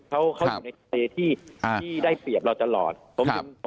เขาอยู่ในเปย์ที่ได้เปรียบเราตลอด